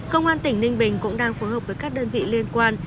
công an tỉnh ninh bình cũng đang phối hợp với các đơn vị liên quan